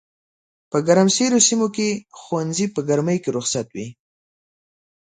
په ګرمسېرو سيمو کښي ښوونځي په ګرمۍ کي رخصت وي